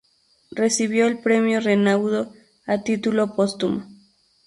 Recibió el Premio Renaudot a título póstumo.